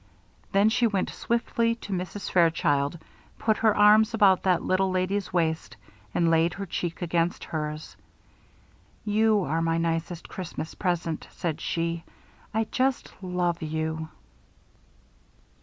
Then she went swiftly to Mrs. Fairchild, put her arms about that little lady's waist, and laid her cheek against hers. "You are my nicest Christmas present," she said. "I just love you."